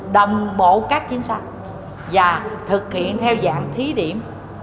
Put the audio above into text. đồng bộ các chính sách và thực hiện theo dạng thí điểm